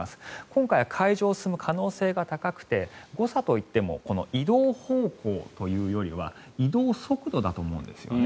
今回は海上を進む可能性が高くて誤差といってもこの移動方向というよりは移動速度だと思うんですよね。